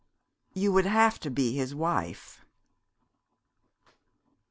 You would have to be his wife."